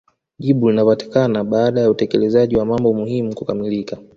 Jibu litapatikana baada ya utekelezaji wa mambo muhimu kukamilka